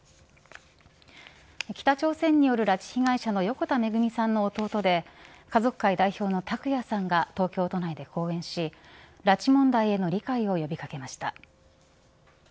北朝鮮による拉致被害者の横田めぐみさんの弟で家族会代表の拓也さんが東京都内で講演し拉致問題への理解を呼び掛けました。